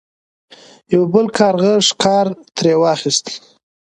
یو بل کارغه ښکار ترې واخیست.